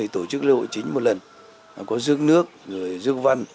tổ chức lễ hội chính một lần có rước nước rồi rước văn